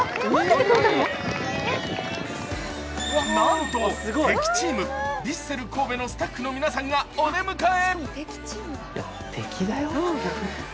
なんと敵チーム、ヴィッセル神戸のスタッフの皆さんがお出迎え。